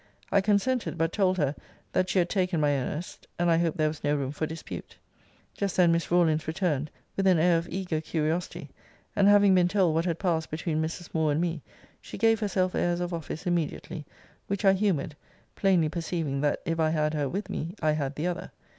I consented; but told her, that she had taken my earnest, and I hoped there was no room for dispute. Just then Miss Rawlins returned, with an air of eager curiosity; and having been told what had passed between Mrs. Moore and me, she gave herself airs of office immediately: which I humoured, plainly perceiving that if I had her with me I had the other.